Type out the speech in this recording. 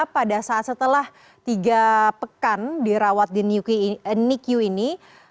pada saat setelah tiga pekan dirawat di nicu ini